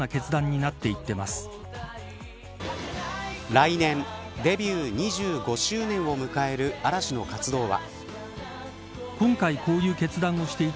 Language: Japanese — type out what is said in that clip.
来年デビュー２５周年を迎える嵐の活動は。